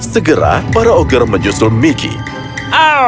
segera para ogger menyusul mickey